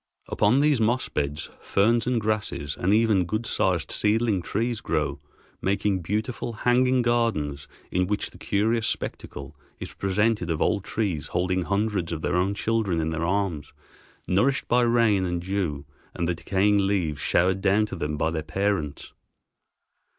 Upon these moss beds ferns and grasses and even good sized seedling trees grow, making beautiful hanging gardens in which the curious spectacle is presented of old trees holding hundreds of their own children in their arms, nourished by rain and dew and the decaying leaves showered down to them by their parents.